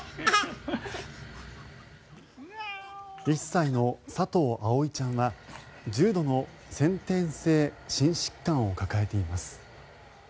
１歳の佐藤葵ちゃんは重度の先天性心疾患を抱えています。